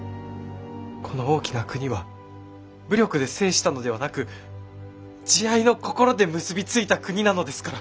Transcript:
この大きな国は武力で制したのではなく慈愛の心で結び付いた国なのですから。